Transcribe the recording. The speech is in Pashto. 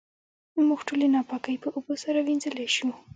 موږ ټولې ناپاکۍ په اوبو سره وېنځلی شو.